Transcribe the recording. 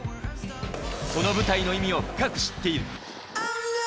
その舞台での意味を深く知っている。